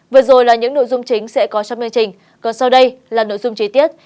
vừa rồi là những nội dung chính sẽ có trong mê trình còn sau đây là nội dung chi tiết